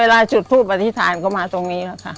เวลาจุดพูดปฏิภาณก็มาตรงนี้แล้วคะ